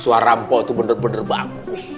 suara mpo tuh bener bener bagus